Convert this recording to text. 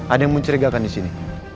ada yang mencerigakan disini